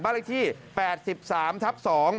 บ้านเลขที่๘๓ทับ๒